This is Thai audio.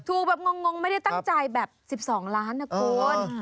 ถูกแบบงงไม่ได้ตั้งใจแบบ๑๒ล้านนะคุณ